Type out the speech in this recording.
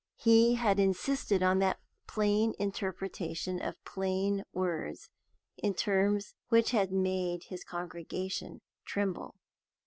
He had insisted on that plain interpretation of plain words in terms which had made his congregation tremble.